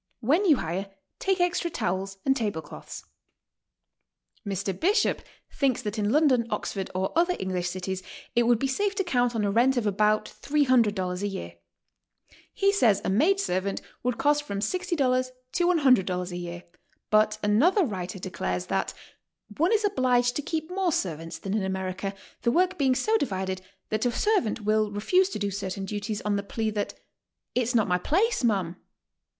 When you hire, take extra towels and table cloths. Mr. Bishop thinks that in London, Oxford or other English cities, it would be safe to count on a rent of about $300 a year. He says a maid servant would cost from $60 to $100 a year, but another writer declares that "one is obliged to keep more servants than in America, the work being so HOW TO STAY: 157 divided that a servant will refuse to do certain duties on the plea that 'it is not my place, mum.